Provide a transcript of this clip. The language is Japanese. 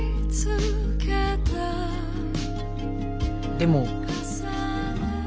でも。